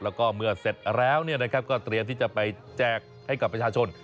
แล้วก็เมื่อเสร็จแล้วก็เตรียมที่จะไปแจกให้กับประชาชน